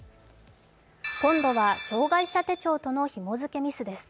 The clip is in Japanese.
今度は障害者手帳とのひも付けミスです。